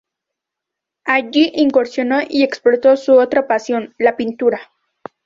Allí incursionó y explotó su otra pasión: la pintura.